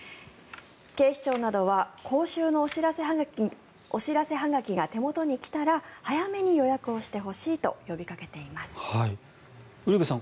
警視庁などは講習のお知らせはがきが手元に来たら早めに予約をしてほしいと呼びかけています。